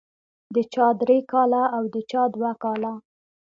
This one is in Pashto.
د چا درې کاله او د چا دوه کاله.